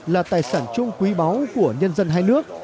là tài sản chung quý báu của nhân dân hai nước